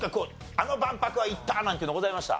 あの万博は行ったなんていうのございました？